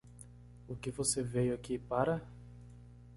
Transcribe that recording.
O que você veio aqui para?